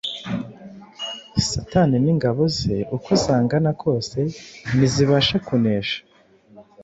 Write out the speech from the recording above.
Satani n’ingabo ze uko zangana kose ntizibasha kunesha